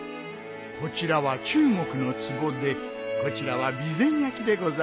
こちらは中国のつぼでこちらは備前焼でございます。